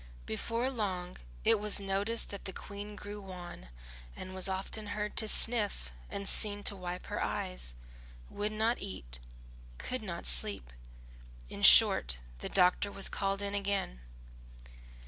Before long it was noticed that the Queen grew wan, was often heard to sniff, and seen to wipe her eyes, would not eat, could not sleep, in short, the doctor was again called in.